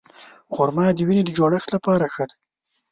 خرما د وینې د جوړښت لپاره ښه ده.